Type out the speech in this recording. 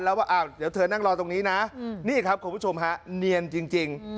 แล้วว่าอ้าวเดี๋ยวเธอนั่งรอตรงนี้นะนี่ครับคุณผู้ชมฮะเนียนจริง